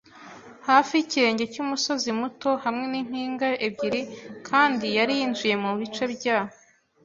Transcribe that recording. hafi yikirenge cyumusozi muto hamwe nimpinga ebyiri kandi yari yinjiye mubice bya